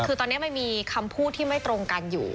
คือตอนนี้มันมีคำพูดที่ไม่ตรงกันอยู่